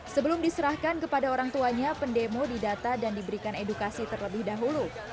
sebelum diserahkan kepada orang tuanya pendemo didata dan diberikan edukasi terlebih dahulu